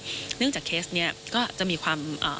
เนื่องจากเคสนี้ก็จะมีความ